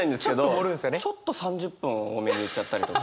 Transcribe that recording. ちょっと３０分多めに言っちゃったりとか。